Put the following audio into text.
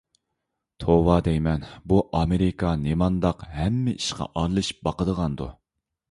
توۋا دەيمەن، بۇ ئامېرىكا نېمانداق ھەممە ئىشقا ئارىلىشىپ باقىدىغاندۇ.